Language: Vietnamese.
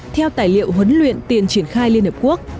theo tài liệu huấn luyện tiền triển khai liên hợp quốc